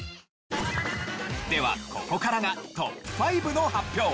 ではここからがトップ５の発表。